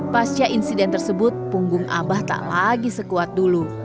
pasca insiden tersebut punggung abah tak lagi sekuat dulu